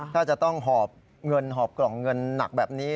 ถ้าจะต้องหอบเงินหอบกล่องเงินหนักแบบนี้